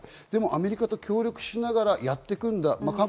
アメリカと協力しながらやっていく。